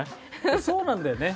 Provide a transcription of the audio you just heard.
そうなんだよね。